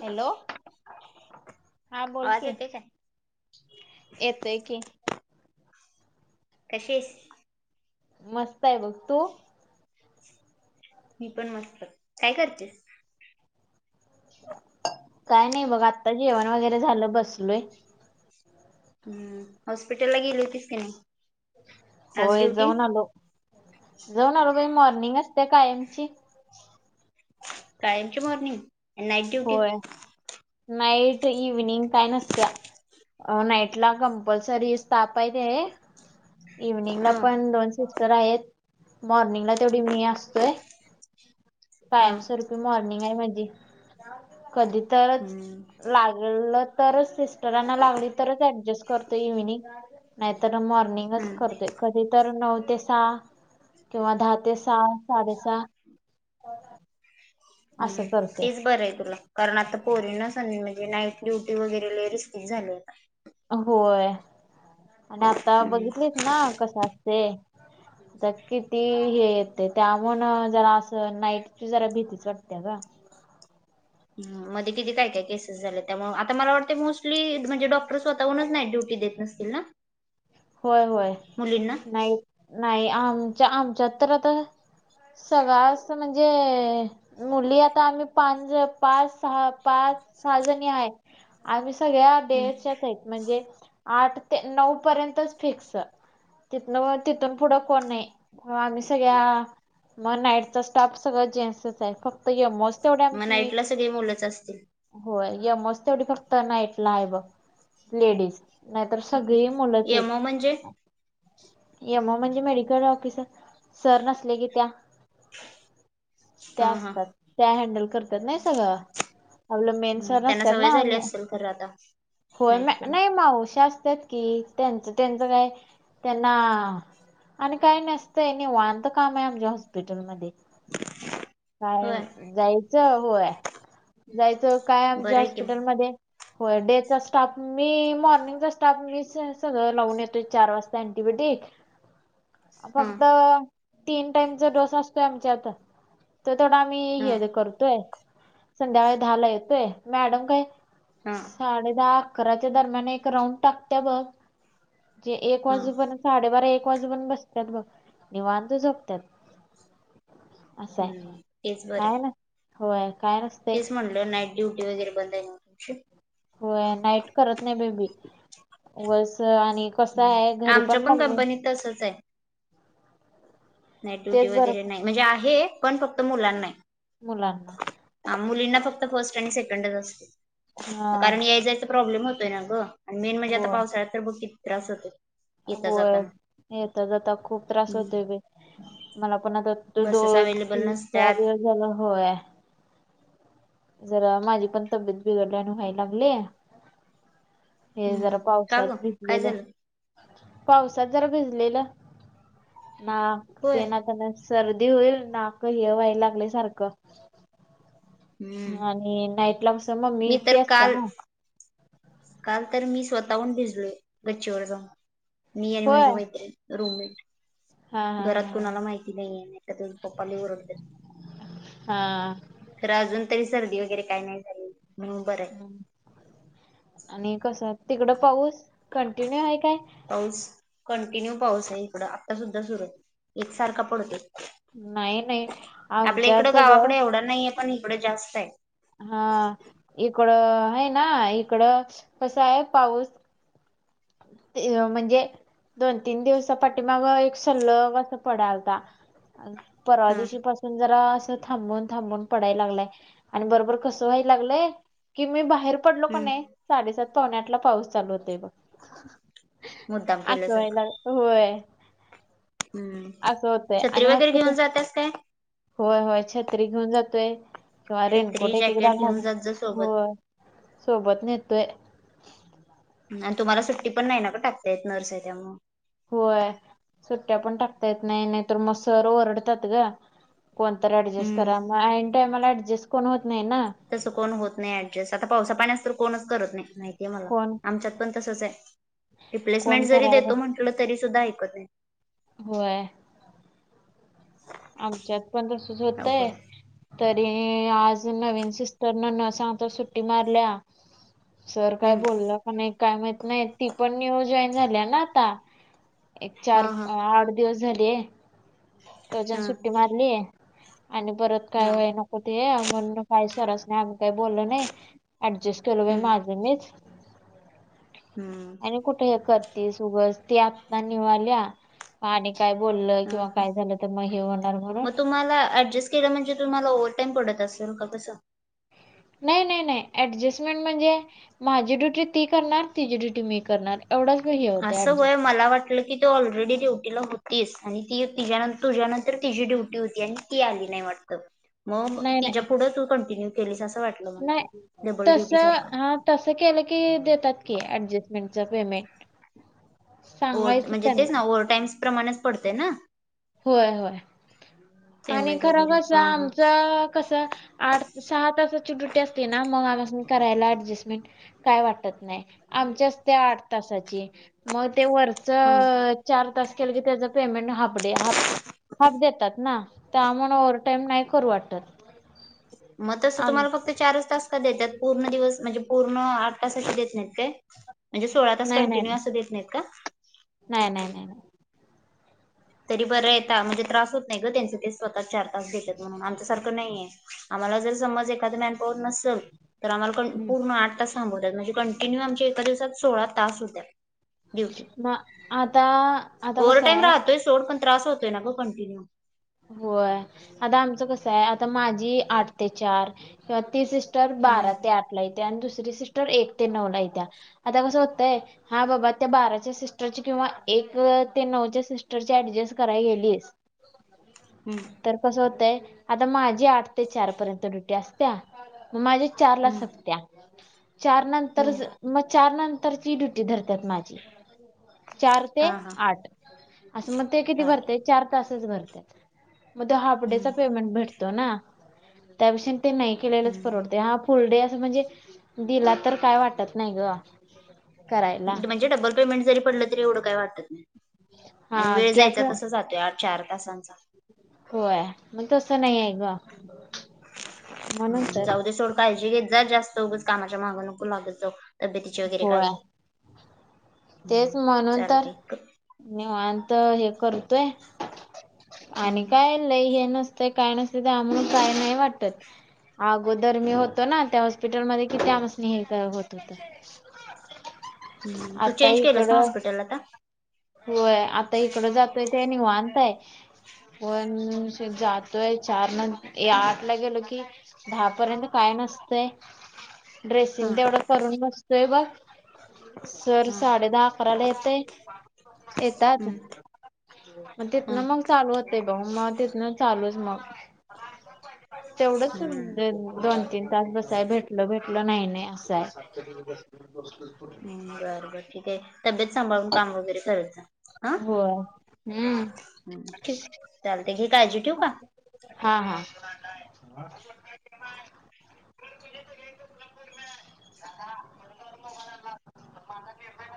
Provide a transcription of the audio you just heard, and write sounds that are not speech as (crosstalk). Hello हा बोल आवाज कि. येते काय येतं की. कशी आहेस? मस्त आहे बघ तो. मी पण मस्त. काय करतेस? काय नाही बघ आता जेवण वगैरे झालं बसलोय. हम्म हॉस्पिटल ला गेली होतीस की नाही. आज होय ड्युटी जाऊन आलो जाऊन आलो बाई मॉर्निंग असते कायमची. कायमची मॉर्निंग नाईट ड्युटी. होय नाईट इव्हनिंग काय नसत्या. अ नाईट ला कंपल्सरी स््टाप आहे ते इव्हनिंगला हा पण दोनशे. तर आहेत मॉर्निंगला तेवढी मी असतोय. हा पाश रुपये मॉर्निंग आहे म्हणजे कधी तरच. हम्म हम्म लागलं तरच सिस्टरांना लागली तरच ऍडजस्ट करतो इव्हनिंग नाहीत. मारणींगस करते कध. तर नऊ ते सहा किंवा दहा ते सहा साडे सहा. हो ह. हम् तेच बरं आहे तुला कारण आता पोरी न स म. नाईट ड्युटी वगैरे ल रस् झालीय का. होय आणि आता हम्म, बघितलेत ना कस असते. तर किती हे येते त्यामु जरा असं नाईटची जरा भीतीच वाटते का. मध्ये किती काय काय केसेस झाले त्यामुळे आता मला. वाटते मोस्ली म्हणजे डॉक्टर स्वतःहूनच नाही ड्युटी देत नसतील ना. होय होय मुलींना नाही नाही आमच्या आमच्यात तर आता सगळ अस म्हणजे मुली आता आम्ही पा पाच सहा पाच. आ. सगळ्या हम्म, डेच्या आहेत म्हणजे आठ ते नऊ पर्यंत फिक्स. तिथन तिथून पुढं कोण नाही आम्ही सगळ्या मग नाईटचा स्टाफ सगळं जाेस्च आहे फक्त यम. तेवढ्या मग आणख नाईटला सगळी मुलंच असतील होय. यमच तेवढी फक्त नाईटला आहे ब लेडीज नाहीतर सगळीही मुलंच आहेत. हो म्हणजे. यमओ म्हणजे मेडिकल ऑफिस आहे. सर नसले की त्या त्या हा हा असतात त्या हडल. करतात नाही सगं. आपलं मेनसर त्यांना नसतात सवय ना झाली असेल खरं आता होय म नाईट करून नाही मा उशा असत. कि त्यांच त्यांचं काय त्यांना. आणि काय नसतंय निवांत काम आहे आमच्या हॉस्पिटलमध्ये. काय होय जायचं होय. जायचं काय बरं आमच्या आहे की मग हॉस्पिटलमध्ये होय डे चा स्टाफ मी. मॉर्निंगचा स्टाफ मी सगळं लावून येतोय चार वाजता ऍंटीबायोटिक. हा फक्त तीन टाइमचा डोस असतोय आमचा आता. तो तेवढा आम्ही हा हे करतोय संध्याकाळी दहाला येतोय मॅडम काय. हा साडे दहा अकराच्या दरम्यान एक राऊंड टाकत्या बघ. जे एक हा वाजूपर्यंत साडेबारा एक. वाजू पर्यंत बसत्यात बघ निवांत झोपत्यात. असं आहे हम्म तेच बरं काय आहे. ना होय. काय नसते तेच म्हटलं नाईट ड्युटी वगैरे बंद आहे का तुमची. होय नाईट करत नाही बाई मी उगच. आणि कसं हम्म. आहे घरी आमच्या पण मम्मी. कंपनीत नाइट ड्युटी तेच बरं वगैरे प- नाही म्हणजे आहे पण फक्त मुलांनाय. मुलांना हा मुलींना फक्त फर्स्ट आणि सेकंडच असते. हा कारण याय जायचा प्रॉब्लेम होतोय ना ग आणि मेन म्हणजे आता होय पावसाळ्यात तर बघ किती त्रास होतोय. होय येेता जाता खूप त्रास हम्म. होतोय बाई. मला पण आता बसेस दोन अवेलेबल तीन चार नसतात दिवस झालं होय. जरा माझी पण तब्येत बिघडल्यावानी व्हाय लागलंय. हे हम्म. जरा का पावसात ग काय भिजलेलं. झालं पावसात जरा भिजलेलं हां होय तेनं आता असं. सर्दी होईल नाक हे व्हायला लागलंय सारखं. हम्म. आणि नाईटला कसं मम्मी मी एकटी तर असत्या काल ना. काल तर मी स्वतःहून भिजलोय गच्चीवर जाऊन मी आणि होय माझी मैत्रिण. रूममेट. हा हा घरात कुणाला माहिती नाहीये नाहीतर पप्पा लैई वरडत्यात. हा तरी सर्दी वगैरे काही नाही झाली म्हणून बर आहे हम्म. आणि कसं तिकडं पाऊस कंटिन्यू आहे काय पाऊस कंटिन्यू पाऊस आहे इकडं आता सुद्धा सुरू एकसारखा पडतोय नाही नाही आपल्या इकडं आमच्यात ब गावाकडे एवढा नाहीये पण इकडं जास्त आहे हा इकडं हैं ना इकडं कसं आहे पाऊस ते म्हणजे दोन तीन दिवसापाटीमागं एक सल्लग असं पडालता परवा हा दिवशी पासून जरा थांबून थांबून पडाय लागलाय आणि बरोबर कस व्हाय लागलंय की मी बाहेर पडलो का हम्म नाही साडेसात पावणे आठ ला पाऊस चालू होतोय बघ मुद्दाम असं व्हाय केल्यासारखं ला होय हम्म असं होतंय छत्री आणि वगैरे हॉस्पिटल घेऊन जात्यास काय होय होय छत्री घेऊन जातोय किंवा रेनकोट छत्री एक एकदा जॅकेट घेऊन घालून जात जा सोबत. होय सोबत नेतोय आणि तुम्हाला सुट्टी पण नाही ना गं टाकता येत नर्स आहे त्यामुळं होय सुट्टया पण टाकता येत नाही नाहीतर मग सर वरडत्यात गं कोणतर ऍडजस्ट हम्म करा मग ऐन टाईमाला ऍडजस्ट कोण होत नाही ना तस कोण होत नाही ऍडजस्ट आता पावसा पाण्याचं तर कोणंच करत नाही माहितीये मला कोण आमच्यात पण तसच आहे रिप्लेसमेंट कोण जरी करायला देतो म्हंटलं तरी सुद्धा ऐकत नाही होय आमच्यात पणसच अवघड होतय आहे तर आणि आज नवीन सिस्टर न न सांगता सुट्टी मारल्या सर काय हम्म बोललं प नाही काय माहत नाही ती पण न्यू जॉईन झाली ना आता एक हा चार हा आठ दिवस झालीय रोजन हा सुट्टी मारली आणि परत काय हा वय नको ते म्हण काही सरस नाही आम काही बोललं नाही ऍडजस्ट केलं बा हम्म माझं मीच हम्म आणि कुठे हे करतेस उगस ती आत्ता न्यू आल्या काय बोललं हा किंवा हा काय झालं तर मग हे होणार म्हणून अडजस् के म्हणजे तुम्हाला ओव्ह टाईम पडत असेल का कसं नाही नाही नाही ऍडजस्टमेंट म्हणजे माझी ड्युटी ती करणार तिची ड्युटी मी करणार एवढाच हे होतं असं होय ऍडजस्ट मला वाटलं की तो ऑल ऑलरेडी ड्युटीला होतीच आणि ती तिच्यानंतर तुझ्यानंतर तिची ड्युटी होती आणि ती आली नाही वाटत. ग नाही तिच्या नाही पुुढे तू कंटिन्यू केली नाही तस हा तस केलं की देतात की ऍडजेस्टमेंट ज पेमेंट ओ्ह सांगायचं म्हणजे तेच त्यांना ना ओव्हर टाई्स प्रमाणेच पडते ना होय होय आणि पेमेंट खर वगैरे कसं हा हा आमचं कस आठ सहा तासाची ड्युटी असते ना मगपासून करायला ऍडजस्टमेंट काय वाटत नाही आमच्याच त्या आठ तासाची मग ते वरच ह चार तास केलं की त्याच पेमेंट हाफ डे हा हाफ देतात ना त्या म्ह ओव्ह टाईम नाही करू वाटत मग तसं आम तुम्हाला फक्त चारच तास का देतात पूर्ण दिवस म्हणजे पूर्ण आठ तासाचे देत नाहीत काय म्हणजे सोळा तास नाही नाही कंटिन्यू अस देत नाहीत का नाही नाही नाही नाही तरी बरं यता म्हणजे त्रास होत नाही ग त्यांच ते स्वतः चार तास भेेतत म्हणून आमच्यासारखं नाहीे आला जर समज एखाद मॅनपॉवर नसल तर आम्हाला हम्म. पूर्ण आठ तास थांबवतात म्हणजे कंटिन्यू आमच्या एका दिवसात सोळा तास होत्या ड्युटी म आता आता ओव्हर कस टाईम आहे. राहतोय सोड पण त्रास होतो ना ग कंटिन्यू होय आता आमचं कस आहे आता माझी आठ ते चार किंवा तीस तर हम्म बारा ते आठ ला येते आणि दुस ती सिस्टर एक ते नऊ ला येत्या आता कसं होतंय हा बाबा त्या बाराच्या सिस्टरच्या किंवा एक. एक ते नऊच्या सिस्टर अऍडजस्ट करायला गेलीस. हम्म तर कस होतंय आता माझी आठ ते चार पर्यंत ड्युटी असते्या. माझ्या चार ला हम्म सत्या चार नंतर हम्म मग चार नर ड्युटी धरतात माझी चार ते हा हा आठ असं मग ते किती चालेल भरते चार तासच भरतात मग ते हाफ डे चा हम्म पेमेंट भेटत. त्याप ते नाही केलेलाच हम्म परवडते हा फुल डे अस. म्हणजे दिला तर काय वाटत नाही ग. करायला म्हणजे डबल पेमेंट जरी पडलं तरी एवढं काही वाटत नाही म्ह हा वेळ की जायचा असं तसं जातोय आ. चार तासां होय मग तसं नाही आहे ग. म्हणून तर जाऊद सोड काळजी घेत जा जास्त उगच कामाच्या माग नकू लागत जा. तब्येतीची वगैर होय काळजी हम्म तेच म्हणून तर चालतंय निवांत हे करू. तय आणि हम्म काय लय हे नसत. काय नसेल ते आम काय नाही वाटत. अगोदर मी होतो ना त्या हॉस्पिटलमध्ये कि त्यामसने हे होत होत. हम तू आता चेंज केलंस ना इकडं हॉस्पिटल आत्ता होय आता इकड जातोय ते निवतय. पण जातोय चार न आठ ला गेलो की दहा पर्यंत काय न तय हा ड्रेसिंग तेवढं करून बसतोय बघ. सर हा साडे दहा अकराला येतय. येतात हम्म मग तेत हा ना मग चालू होते भाऊ मग हा तेथ ना चालूच मग तेवढंच हम्म दोन तीन तास बसाय भेटल भेटलं नाही नाही. हम्म बरं बरं ठीक आहे तब्येत सांभाळून काम वगैरे (unintelligible) करत जा हा हो हम्म. हम्म ठीक चालतंय घे काळजी ठेवू का हा हा. (unintelligible) आ